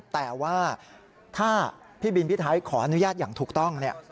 แต่ว่าถ้าพี่บินพี่ไทยขออนุญาตอย่างถูกต้องเนี่ย